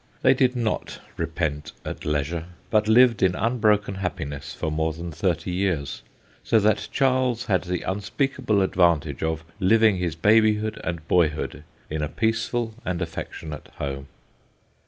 They did not repent at leisure, but lived in unbroken happiness for more than thirty years, so that Charles had the unspeakable advantage of living his babyhood and boy hood in a peaceful and affectionate home.